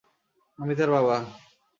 আমি তার বাবা।